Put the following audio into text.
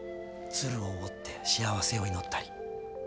鶴を折って幸せを祈ったり。